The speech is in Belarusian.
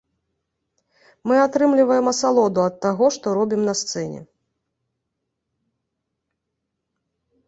Мы атрымліваем асалоду ад таго, што робім на сцэне.